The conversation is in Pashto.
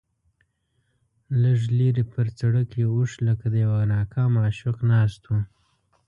لږ لرې پر سړک یو اوښ لکه د یوه ناکام عاشق ناست و.